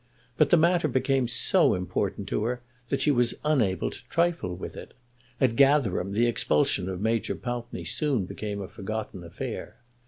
But the matter became so important to her that she was unable to trifle with it. At Gatherum the expulsion of Major Pountney soon became a forgotten affair.